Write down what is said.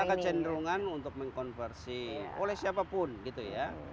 ada kecenderungan untuk mengkonversi oleh siapapun gitu ya